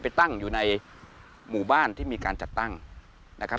ไปตั้งอยู่ในหมู่บ้านที่มีการจัดตั้งนะครับ